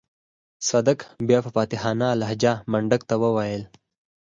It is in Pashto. صدک بيا په فاتحانه لهجه منډک ته وويل.